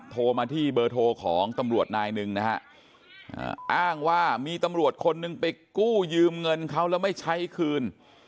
โทรมาที่เบอร์โทรของตำรวจนายหนึ่งนะฮะอ้างว่ามีตำรวจคนหนึ่งไปกู้ยืมเงินเขาแล้วไม่ใช้คืน